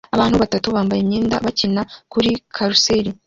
Abana batatu bambaye imyenda bakina kuri karuseli